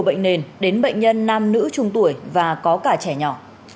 bệnh nền đến bệnh nhân nam nữ trung tuổi và có cả trẻ nhỏ